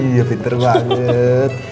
iya pinter banget